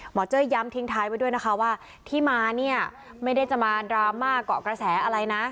เจ้ยย้ำทิ้งท้ายไว้ด้วยนะคะว่าที่มาเนี่ยไม่ได้จะมาดราม่าเกาะกระแสอะไรนะ